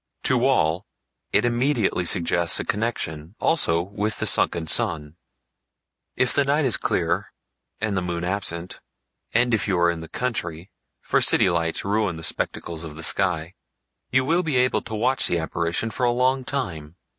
To all it immediately suggests a connection, also, with the sunken sun. If the night is clear and the moon absent (and if you are in the country, for city lights ruin the spectacles of the sky), you will be able to watch the apparition for a long time.